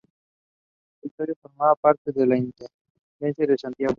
El territorio formaba parte de la intendencia de Santiago.